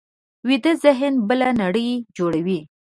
ویده ذهن بله نړۍ جوړوي